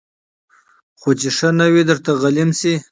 خو چي ښه نه وي درته غلیم سي